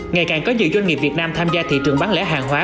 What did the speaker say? ngày càng có nhiều doanh nghiệp việt nam tham gia thị trường bán lẻ hàng hóa